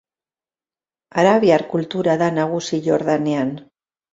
Arabiar kultura da nagusi Jordanian.